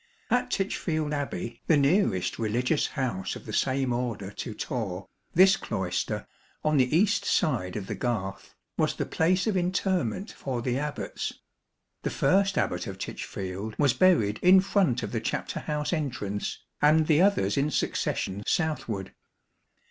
At Tichfield Abbey, the nearest religious house of the same order to Torre, this cloister, on the east side of the garth, was the place of interment for the Abbats. The first Abbat of Tichfield was buried in front of the chapter house entrance and the others in succession southward.